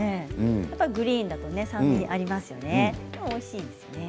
グリーンだと酸味がありますね、おいしいですよね。